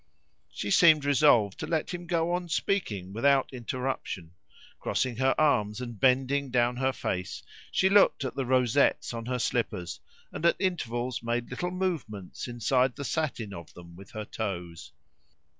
She seemed resolved to let him go on speaking without interruption. Crossing her arms and bending down her face, she looked at the rosettes on her slippers, and at intervals made little movements inside the satin of them with her toes.